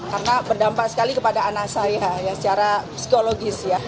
karena berdampak sekali kepada anak saya ya secara psikologis ya